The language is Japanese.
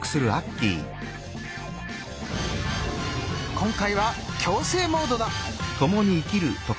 今回は「共生モード」だ！